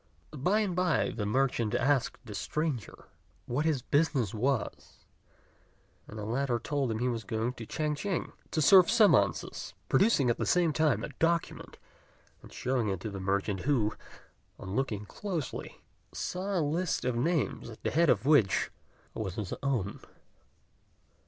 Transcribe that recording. By and by the merchant asked the stranger what his business was; and the latter told him he was going to Ch'ang ch'ing to serve summonses, producing at the same time a document and showing it to the merchant, who, on looking closely, saw a list of names, at the head of which was his own.